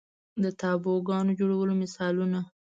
د تابوګانو جوړولو مثالونه